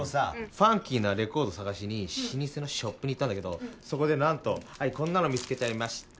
ファンキーなレコード探しに老舗のショップに行ったんだけどそこで何とこんなの見つけちゃいました